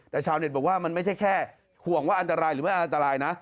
แต่ชาวเน็ตบอกว่ามันไม่ใช่แค่ห่วงว่าอันตรายหรือไม่อันตรายนะ